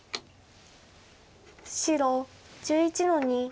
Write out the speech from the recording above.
白１１の二。